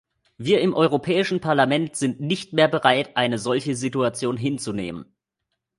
Wir im Europäischen Parlament sind nicht mehr bereit, eine solche Situation hinzunehmen.